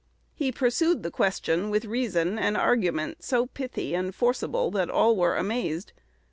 He pursued the question with reason and argument so pithy and forcible that all were amazed.